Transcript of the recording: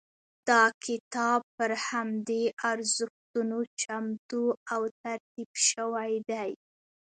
دا کتاب پر همدې ارزښتونو چمتو او ترتیب شوی دی.